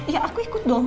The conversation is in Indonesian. ya aku ikut dong